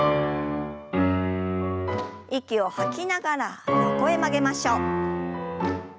息を吐きながら横へ曲げましょう。